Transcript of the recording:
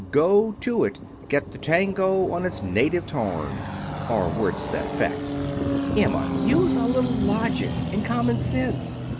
'Go to it. Get the tango on its native tairn' or words to that effect." "Emma, use a little logic and common sense!"